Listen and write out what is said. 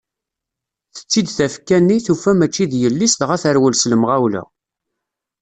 Tetti-d tafekka-nni, tufa mači d yelli-s dɣa terwel s lemɣawla.